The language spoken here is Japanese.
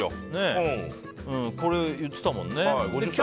これ言ってたもんね。